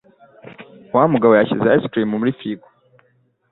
Wa mugabo yashyize ice cream muri firigo.